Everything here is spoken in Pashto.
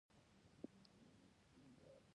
د افغانستان پيروان هم تاریخي خلک وو.